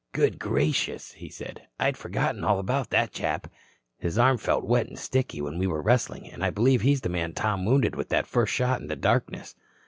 "Good gracious," he said, "I'd forgotten all about that chap. His arm felt wet and sticky when we were wrestling and I believe he's the man Tom wounded with that first shot in the darkness."